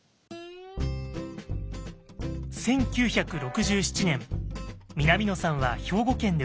１９６７年南野さんは兵庫県で生まれました。